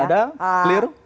tidak ada clear